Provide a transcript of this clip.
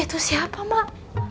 itu siapa mak